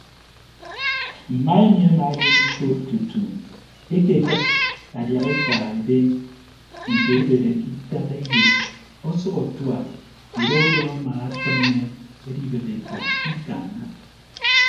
Mma emi ama ayeem ikod tutu ekekịd adiaha eka ebe nte ebere ke itak eyop ọsʌk atua udọ udọ ama atịme edibәk eka ikanna.